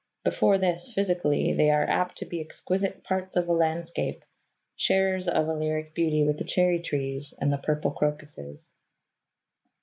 Before this, physically, they are apt to be exquisite parts of a landscape, sharers of a lyric beauty with the cherry trees and the purple crocuses.